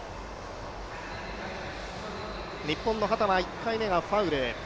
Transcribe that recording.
日本の秦は１回目がファウル。